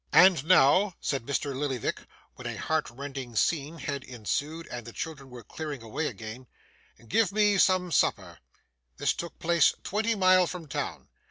'And now,' said Mr. Lillyvick, when a heart rending scene had ensued and the children were cleared away again, 'give me some supper. This took place twenty mile from town.